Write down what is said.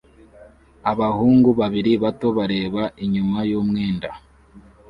Abahungu babiri bato bareba inyuma yumwenda